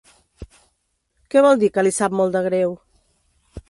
Què vol dir que li sap molt de greu?